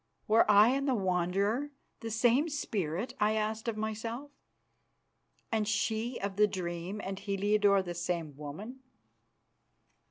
Were I and the Wanderer the same spirit, I asked of myself, and she of the dream and Heliodore the same woman?